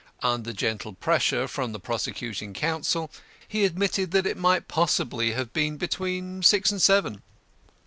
Under gentle pressure from the prosecuting counsel, he admitted that it might possibly have been between six and seven.